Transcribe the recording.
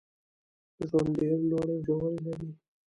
ژوند ډېري لوړي او ژوري لري.